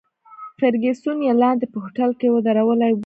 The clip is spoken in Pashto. فرګوسن یې لاندې په هوټل کې ودرولې وه.